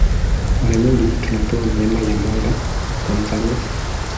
Mara nyingi tunapewa neema ya mwanga, kwa mfanof.